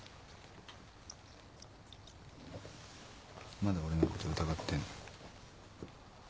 まだ俺のこと疑ってんの？